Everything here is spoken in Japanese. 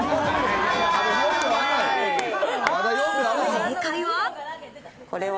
正解は。